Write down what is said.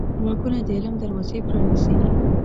غوږونه د علم دروازې پرانیزي